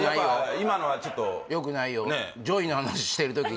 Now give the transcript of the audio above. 今のはちょっとよくないよ